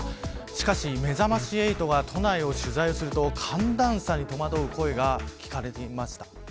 しかし、めざまし８が都内を取材すると寒暖差に戸惑う声が聞かれていました。